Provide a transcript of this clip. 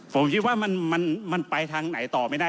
ผมคิดว่ามันไปทางไหนต่อไม่ได้